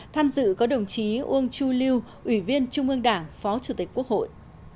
tham dự có đồng chí uông chu lưu ủy viên trung ương đảng phó chủ tịch quốc hội